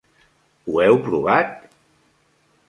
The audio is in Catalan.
Ho heu provat?